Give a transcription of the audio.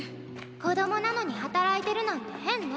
子供なのに働いてるなんて変ね！